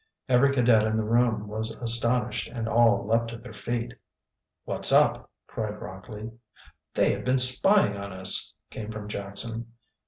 Every cadet in the room was astonished, and all leaped to their feet. "What's up?" cried Rockley. "They have been spying on us!" came from Jackson.